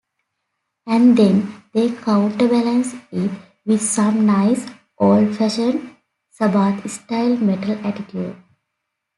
And then they counterbalance it with some nice, old-fashioned, Sabbath-style metal attitude.